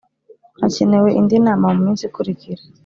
Hacyenewe indi nama mu minsi ikurikira